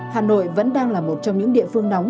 hà nội vẫn đang là một trong những địa phương nóng